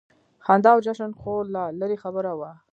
خندا او جشن خو لا لرې خبره وه.